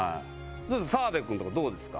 澤部君とかどうですか？